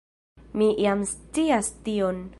Mi jam scias tion.